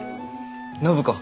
暢子。